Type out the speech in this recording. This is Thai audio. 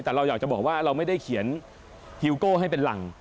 แต่เราอยากจะบอกว่าเราไม่ได้เขียนฮิวโก้ให้เป็นหลัง